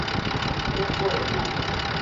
吉貝耍